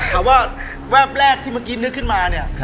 แต่ว่าแวบแรกที่เมื่อกี้นึกขึ้นมาเนี่ย